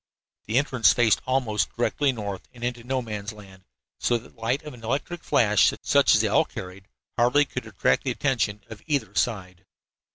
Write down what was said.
The entrance faced almost directly north and into No Man's Land, so that the light of an electric flash, such as they all carried, hardly could attract the attention of either side.